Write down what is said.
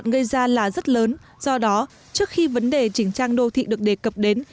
cái nguy cơ mà dẫn đến cháy ra là rất lớn do đó trước khi vấn đề chỉnh trang đô thị được đề cập đến